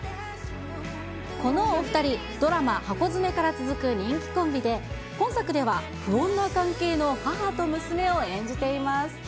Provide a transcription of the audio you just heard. このお２人、ドラマ、ハコヅメから続く人気コンビで、今作では不穏な関係の母と娘を演じています。